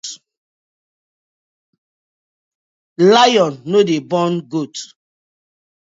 Lion no dey born goat.